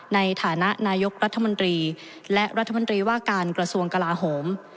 ในฐานะนายกรัฐมนตรีและรัฐมนตรีว่าการกระทรวงกลาโหม